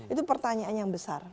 itu pertanyaan yang besar